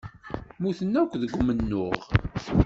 Mmuten akk deg umennuɣ.